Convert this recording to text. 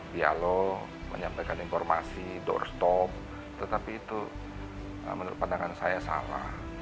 dialog menyampaikan informasi doorstop tetapi itu menurut pandangan saya salah